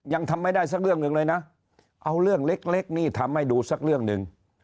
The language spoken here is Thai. ยังทำไม่ได้สักเรื่องหนึ่งเลยนะเอาเรื่องเล็กนี่ทำให้ดูสักเรื่องหนึ่ง